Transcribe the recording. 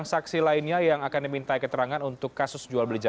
saya harap kita dikenal